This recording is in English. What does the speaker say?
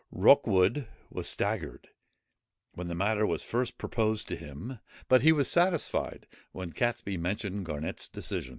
Rookwood was staggered, when the matter was first proposed to him; but he was satisfied when Catesby mentioned Garnet's decision.